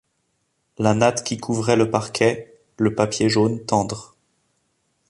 La natte qui couvrait le parquet, le papier jaune tendre.